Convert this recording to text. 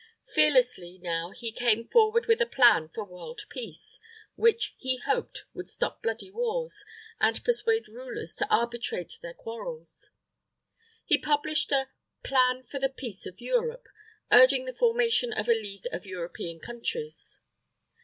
Fearlessly now he came forward with a plan for world peace, which he hoped would stop bloody wars, and persuade rulers to arbitrate their quarrels. He published a "Plan for the Peace of Europe," urging the formation of a league of European countries.